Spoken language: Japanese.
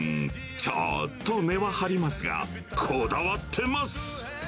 ちょっと値は張りますが、こだわってます。